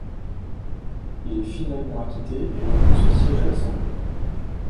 Il est finalement acquitté et reprend son siège à l’Assemblée.